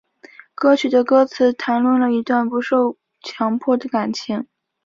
歌曲的歌词谈论了一段不受强迫的感情。